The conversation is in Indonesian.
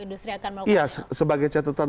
industri akan melakukan layoff iya sebagai catatan